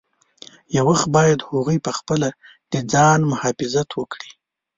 یو وخت باید هغوی پخپله د ځان مخافظت وکړي.